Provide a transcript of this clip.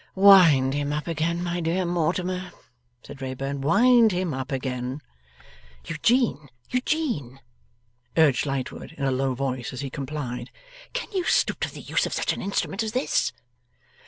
'Wind him up again, my dear Mortimer,' said Wrayburn; 'wind him up again.' 'Eugene, Eugene,' urged Lightwood in a low voice, as he complied, 'can you stoop to the use of such an instrument as this?